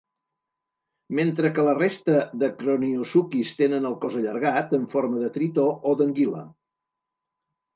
Mentre que la resta de croniosuquis tenen el cos allargat, en forma de tritó o d"anguila.